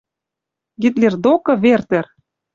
Гитлер докы, Вертер?»